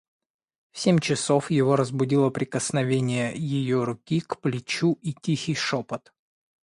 В семь часов его разбудило прикосновение ее руки к плечу и тихий шопот.